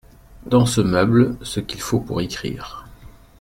Dans ce meuble, ce qu’il faut pour écrire.